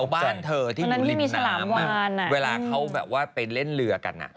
แถวบ้านเธอที่บุริบน้ำเวลาเขาไปเล่นเรือกัน